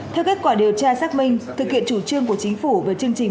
theo kết quả điều tra xác minh thực hiện chủ trương của chính phủ về chương trình